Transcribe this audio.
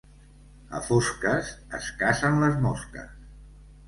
A fosques es cacen les mosques.